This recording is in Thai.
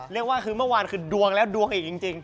เรียกว่าคือเมื่อวานคือดวงแล้วดวงอีกจริง